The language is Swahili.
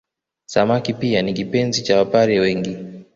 Samaki pia ni kipenzi cha Wapare wengi